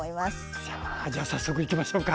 さあじゃ早速いきましょうか。